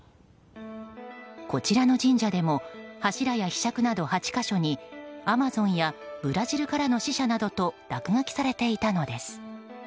こちらの神社でも柱やひしゃくなど８か所に「Ａｍａｚｏｎ」や「ブラジルからの使者」などと落書きされていたのです。